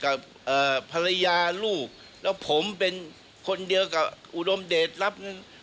กับภรรยาลูกและผมเป็นคนเดียวกับอุดมเดชน์ลับ